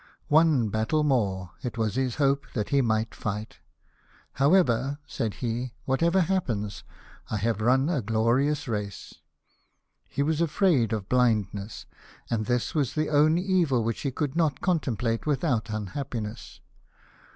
One battle more it was his hope that he might fight " However," said he, " whatever happens, I have run a glorious race." He was afraid of blindness, and this was the only evil which he could not contemplate without unhappiness.